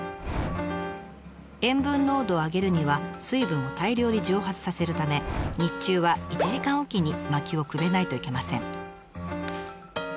塩分濃度を上げるには水分を大量に蒸発させるため日中は１時間置きに薪をくべないといけません。